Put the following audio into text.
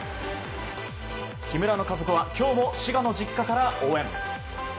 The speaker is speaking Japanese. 木村の家族は、きょうも滋賀の実家から応援。